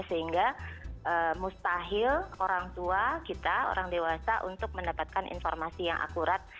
sehingga mustahil orang tua kita orang dewasa untuk mendapatkan informasi yang akurat